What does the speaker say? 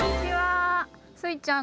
スイちゃん